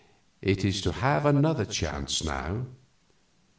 It is to have another chance now."